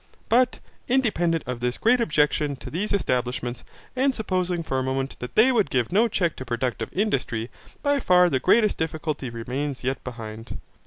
But independent of this great objection to these establishments, and supposing for a moment that they would give no check to productive industry, by far the greatest difficulty remains yet behind.